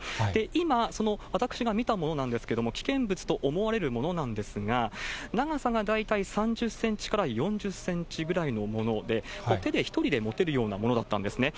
今、私が見たものなんですけれども、危険物と思われるものなんですが、長さが大体３０センチから４０センチぐらいのもので、手で１人で持てるようなものだったんですね。